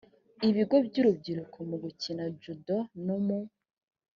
ibigo by urubyiruko mu gukina judo no mu